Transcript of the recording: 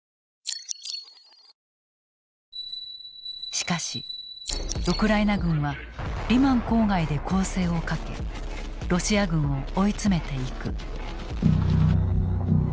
しかしウクライナ軍はリマン郊外で攻勢をかけロシア軍を追い詰めていく。